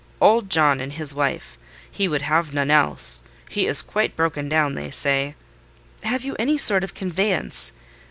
"Old John and his wife: he would have none else. He is quite broken down, they say." "Have you any sort of conveyance?"